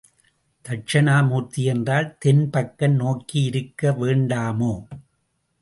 தக்ஷிணா மூர்த்தி என்றால் தென்பக்கம் நோக்கியிருக்க வேண்டாமோ?